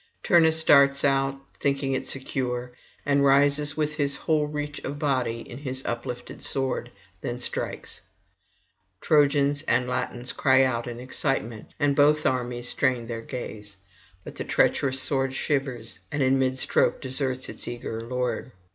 Turnus darts out, thinking it secure, and rises with his whole reach of body on his uplifted sword; then strikes; Trojans and Latins cry out in excitement, and both armies strain their gaze. But the treacherous sword shivers, and in mid stroke deserts its eager lord.